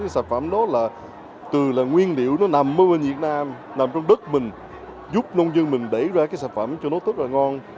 sản phẩm đó từ nguyên liệu nó nằm bên việt nam nằm trong đất mình giúp nông dân mình đẩy ra sản phẩm cho nó rất là ngon